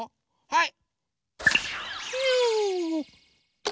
はい。